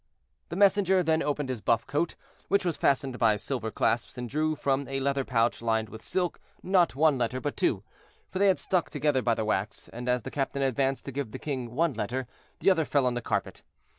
The messenger then opened his buff coat, which was fastened by silver clasps, and drew from a leather pouch lined with silk not one letter, but two; for they had stuck together by the wax, and as the captain advanced to give the king one letter, the other fell on the carpet.